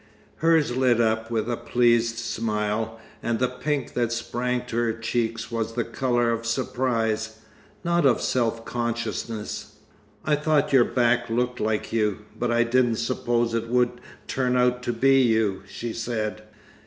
Hers lit up with a pleased smile, and the pink that sprang to her cheeks was the colour of surprise, not of self consciousness. "I thought your back looked like you, but I didn't suppose it would turn out to be you," she said.